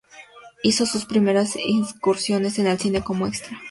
Hizo sus primeras incursiones en el cine como extra.